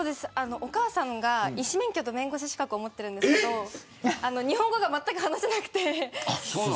お母さんが医師免許と弁護士資格を持っているんですけど日本語がまったく話せなくて。